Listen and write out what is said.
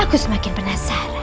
aku semakin penasaran